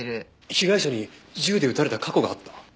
被害者に銃で撃たれた過去があった？